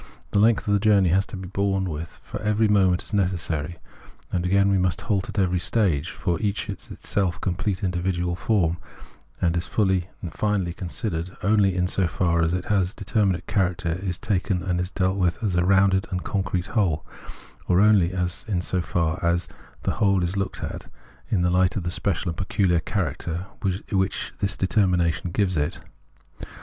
The length of the journey has to be borne with, for every moment is necessary ; and again we must halt at every stage, for each is itself a complete individual form, and is fully and finally considered only so far as its determinate character is taken and dealt with as a rounded and concrete whole, or only so far as the whole is looked at in the light of the special and pecuhar character which this determination gives it.